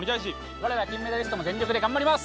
我ら金メダリストも全力で頑張ります。